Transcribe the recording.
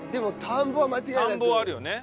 田んぼはあるよね。